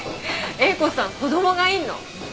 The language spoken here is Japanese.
英子さん子供がいるの？